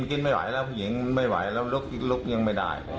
กินไม่ไหวแล้วผู้หญิงไม่ไหวแล้วลกยังไม่ได้